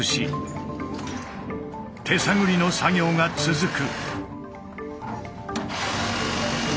手探りの作業が続く。